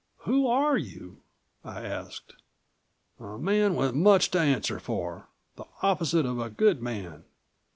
"Who are you?" I asked. "A man with much to answer for, the opposite of a good man.